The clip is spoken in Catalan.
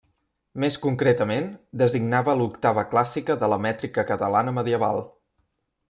Més concretament, designava l'Octava clàssica de la Mètrica Catalana medieval.